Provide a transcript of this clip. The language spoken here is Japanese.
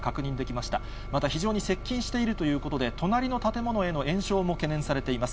また非常に接近しているということで、隣の建物への延焼も懸念されています。